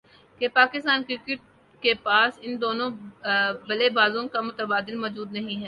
کہ پاکستان کرکٹ کے پاس ان دونوں بلے بازوں کا متبادل موجود نہیں ہے